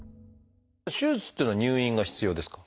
手術っていうのは入院が必要ですか？